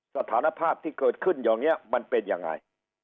สภาพที่เกิดขึ้นอย่างนี้มันเป็นยังไง